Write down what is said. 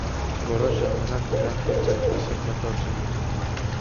Որոշ ժամանակ նրանք հենց այդպես էլ մտածում են։